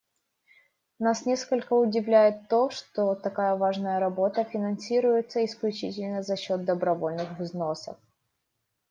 Нас несколько удивляет то, что такая важная работа финансируется исключительно за счет добровольных взносов.